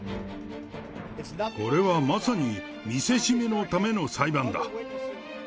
これはまさに見せしめのための裁判だ。